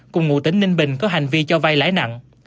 cùng ngụ tính ninh bình có hành vi cho vây lãi nặng